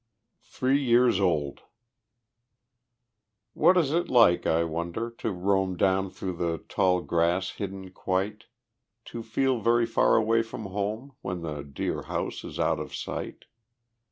Three Years Old What is it like, I wonder, to roam Down through the tall grass hidden quite? To feel very far away from home When the dear house is out of sight?